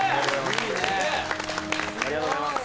・いいねありがとうございます